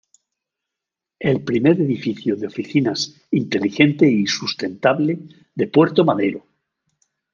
El primer edificio de oficinas "inteligente" y sustentable de Puerto Madero.